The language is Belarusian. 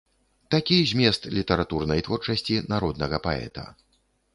Такі змест літаратурнай творчасці народнага паэта.